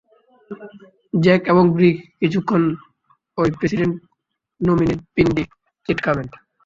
Jack এবং Bree কিছুক্ষণ অই প্রেসিডেন্ট নমিনির পিন্ডি চিটকাবেন।